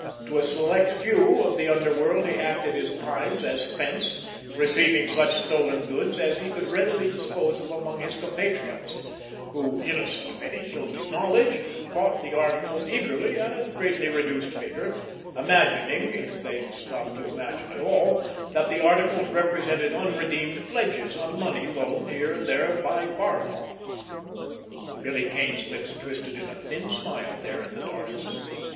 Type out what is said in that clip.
To a select few of the underworld he acted at times as "fence," receiving such stolen goods as he could readily dispose of among his compatriots, who, innocent of any guilty knowledge, bought the articles eagerly at a greatly reduced figure, imagining, if they stopped to imagine at all, that the articles represented unredeemed pledges on money loaned here and there by Barloff. Billy Kane's lips twisted in a thin smile there in the darkness.